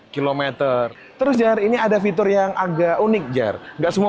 empat ratus enam puluh km terus jeremiah ini ada fitur yang agak unik jer nggak semua